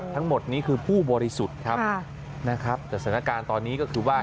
ทั้งหมดนี้คือผู้บริสุทธิ์ครับนะครับแต่สถานการณ์ตอนนี้ก็คือว่า